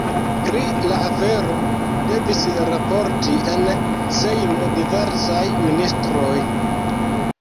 Pri la afero devis raporti en Sejmo diversaj ministroj.